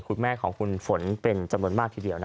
คุณแม่ของคุณฝนเป็นจำนวนมากทีเดียวนะ